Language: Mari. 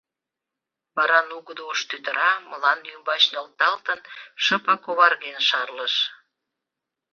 Вара нугыдо ош тӱтыра, мланде ӱмбач нӧлталтын, шыпак оварген шарлыш.